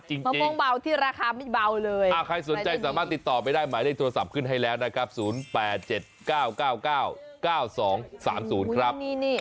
มะม่วงเบาที่ราคาไม่เบาเลยใครสนใจสามารถติดต่อไปได้หมายเลขโทรศัพท์ขึ้นให้แล้วนะครับ๐๘๗๙๙๙๙๙๒๓๐ครับ